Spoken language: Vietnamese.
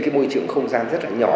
trên môi trường không gian rất là nhỏ